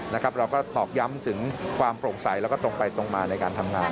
เราก็ตอกย้ำถึงความโปร่งใสแล้วก็ตรงไปตรงมาในการทำงาน